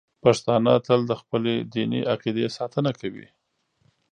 پښتانه تل د خپلې دیني عقیدې ساتنه کوي.